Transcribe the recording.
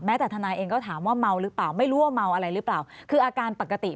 แม้แต่ธนาเองก็ถามว่าเมาหรือเปล่า